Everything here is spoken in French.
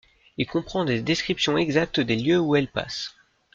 Il comprend des descriptions exactes des lieux où elle passe.